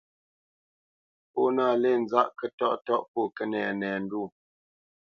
Pó nâ lě nzâʼ kətɔʼtɔ́ʼ pô kənɛnɛndwó.